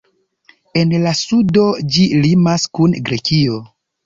En la sudo ĝi limas kun Grekio.